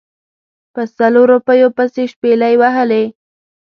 په سلو روپیو پسې شپلۍ وهلې.